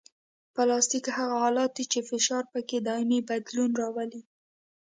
پلاستیک هغه حالت دی چې فشار پکې دایمي بدلون راولي